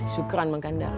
syukuran mak kandar